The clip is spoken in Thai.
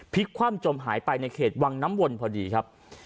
พิกษ์ความจมหายไปในเขตวังน้ำวนพอดีครับ